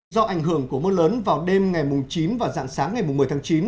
do ảnh hưởng của mưa lớn vào đêm ngày chín và dạng sáng ngày một mươi tháng chín